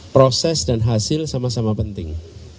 proses dan hasil sama sama penting